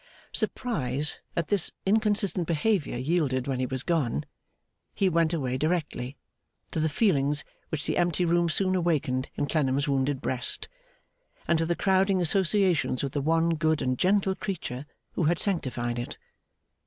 Surprise at this inconsistent behaviour yielded when he was gone (he went away directly) to the feelings which the empty room awakened in Clennam's wounded breast, and to the crowding associations with the one good and gentle creature who had sanctified it.